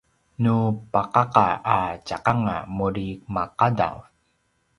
nu paqaqa a tjakanga muri maqadv